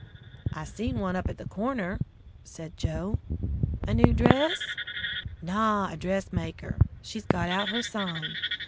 "I seen one up at the corner!" said Joe. "A new dress?" "Naw, a dressmaker. She's got out her sign."